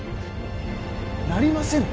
なりませぬ。